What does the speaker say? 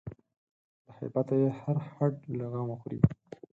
له هیبته یې هر هډ له غمه خوري